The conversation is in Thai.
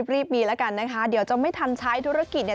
รีบมีแล้วกันนะคะเดี๋ยวจะไม่ทันใช้ธุรกิจเนี่ย